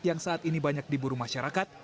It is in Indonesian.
yang saat ini banyak diburu masyarakat